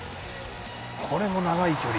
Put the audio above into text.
これも長い距離。